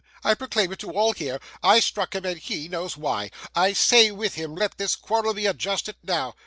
I proclaim it to all here! I struck him, and he knows why. I say, with him, let this quarrel be adjusted now.